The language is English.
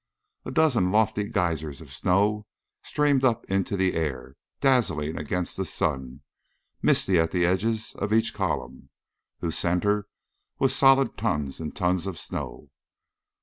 A dozen lofty geysers of snow streamed up into the air, dazzling against the sun, misty at the edges of each column, whose center was solid tons and tons of snow.